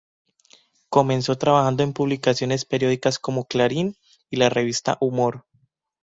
Comenzó trabajando en publicaciones periódicas como Clarín y la revista Humor.